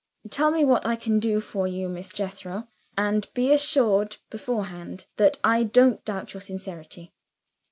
"Tell me what I can do for you, Miss Jethro: and be assured, beforehand, that I don't doubt your sincerity."